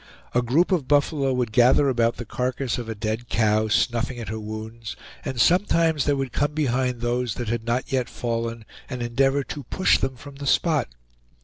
A group of buffalo would gather about the carcass of a dead cow, snuffing at her wounds; and sometimes they would come behind those that had not yet fallen, and endeavor to push them from the spot.